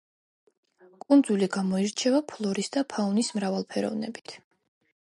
კუნძული გამოირჩევა ფლორის და ფაუნის მრავალფეროვნებით.